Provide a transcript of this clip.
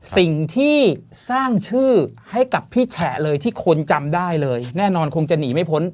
สิ่งที่สร้างชื่อให้กับพี่แฉะเลยที่คนจำได้เลยแน่นอนคงจะหนีไม่พ้น